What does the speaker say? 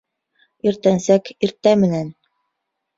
Иртәнсәк, иртә менән